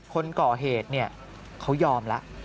คนก่อเหตุเขายอมแล้ว